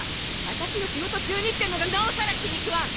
私の仕事中にってのがなおさら気に食わん！